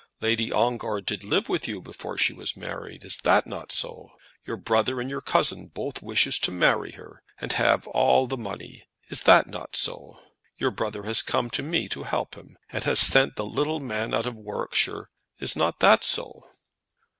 Lady Ongar did live with you before she was married. Is not that so? Your brother and your cousin both wishes to marry her and have all the money. Is not that so? Your brother has come to me to help him, and has sent the little man out of Warwickshire. Is not that so?"